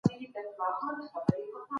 ملتونو به نوي تړونونه لاسلیک کول.